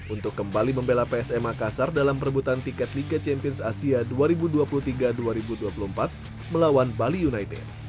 untuk kembali membela psm makassar dalam perebutan tiket liga champions asia dua ribu dua puluh tiga dua ribu dua puluh empat melawan bali united